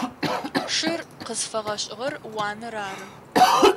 Шыр къызфэгъэшӏыгъэр уанэр ары.